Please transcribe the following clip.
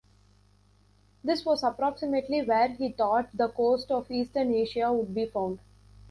This was approximately where he thought the coast of eastern Asia would be found.